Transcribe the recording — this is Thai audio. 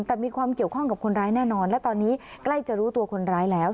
แต่มีความเกี่ยวข้องกับคนร้ายแน่นอนและตอนนี้ใกล้จะรู้ตัวคนร้ายแล้ว